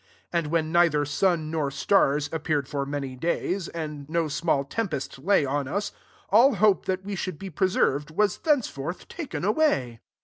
20 And when neither sun nor stars ap peared for many days, and no small tempest lay on us, all hope that we should be pre served* was thenceforth taken away.